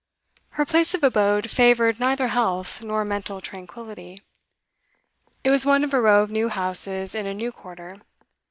Her place of abode favoured neither health nor mental tranquillity. It was one of a row of new houses in a new quarter.